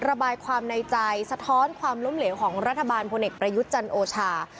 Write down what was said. ระบายความในใจสะท้อนความล้มเหลวของรัฐบาลพลเอกประยุทธ์จันโอชา